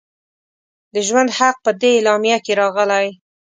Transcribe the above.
د ژوند حق په دې اعلامیه کې راغلی.